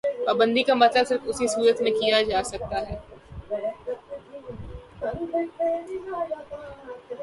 پابندی کا مطالبہ صرف اسی صورت میں کیا جا سکتا ہے۔